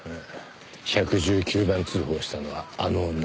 １１９番通報したのはあの女だ。